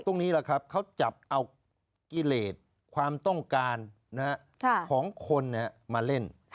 ตรงนี้แหละครับเขาจับเอากิเลสความต้องการของคนมาเล่น